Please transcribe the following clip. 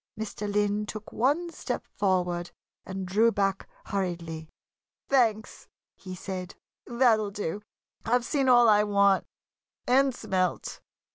Mr. Lynn took one step forward and drew back hurriedly. "Thanks!" he said. "That'll do! I've seen all I want and smelt!"